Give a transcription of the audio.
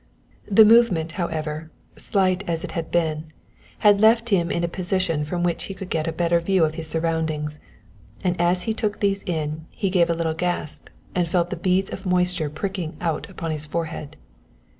The movement, however, slight as it had been, had left him in a position from which he could get a better view of his surroundings, and as he took these in he gave a little gasp and felt the beads of moisture pricking out upon his forehead.